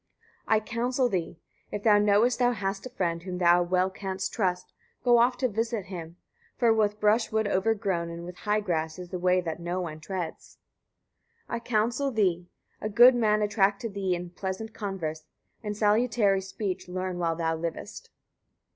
121. I counsel thee, etc. If thou knowest thou hast a friend, whom thou well canst trust, go oft to visit him; for with brushwood over grown, and with high grass, is the way that no one treads. 122. I counsel thee, etc. A good man attract to thee in pleasant converse; and salutary speech learn while thou livest.